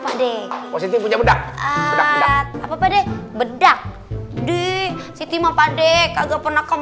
ada di sini punya bedak bedak apa deh bedak di siti mah padek agak pernah ke